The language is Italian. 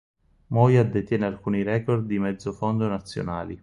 Moya detiene alcuni record di mezzofondo nazionali.